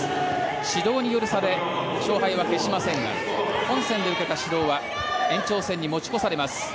指導による差で試合は決しませんが本選で受けた指導は延長戦に持ち越されます。